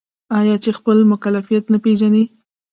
آیا چې خپل مکلفیت نه پیژني؟